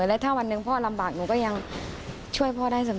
และถ้าวันหนึ่งพ่อลำบากหนูก็ยังช่วยพ่อได้เสมอ